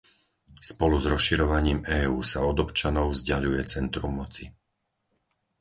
Spolu s rozširovaním EÚ sa od občanov vzďaľuje centrum moci.